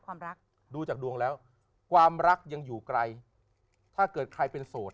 ความรักดูจากดวงแล้วความรักยังอยู่ไกลถ้าเกิดใครเป็นโสด